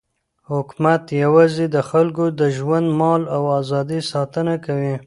حکومت یوازې د خلکو د ژوند، مال او ازادۍ ساتنه کوي.